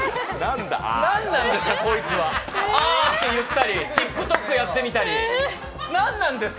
何なんですか、こいつは、あーって言ってみたりＴｉｋＴｏｋやってみたり。